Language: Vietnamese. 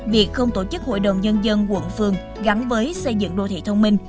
việc không tổ chức hội đồng nhân dân quận phường gắn với xây dựng đô thị thông minh